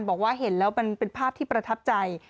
บอกว่าเห็นแล้วมันเป็นภาพที่ประทับใจ